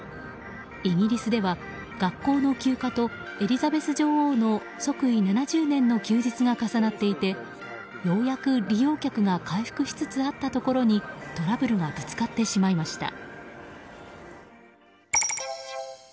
イギリスでは学校の休暇とエリザベス女王の即位７０年の休日が重なっていてようやく利用客が回復しつつあったところにトラブルがぶつかってしまいました。